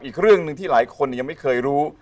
อีกเรื่องหนึ่งที่หลายคนยังไม่เคยรู้